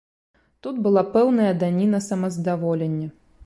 Тут была пэўная даніна самаздаволення.